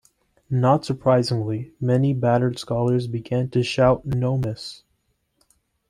Not surprisingly many battered scholars began to shout 'no mas!